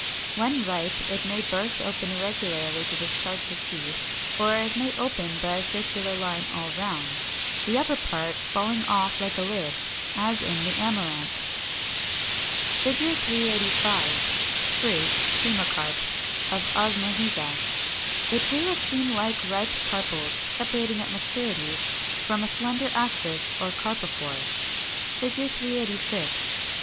When ripe it may burst open irregularly to discharge the seed; or it may open by a circular line all round, the upper part falling off like a lid; as in the Amaranth (Fig. 387). [Illustration: Fig. 385. Fruit (cremocarp) of Osmorrhiza; the two akene like ripe carpels separating at maturity from a slender axis or carpophore.] [Illustration: Fig. 386.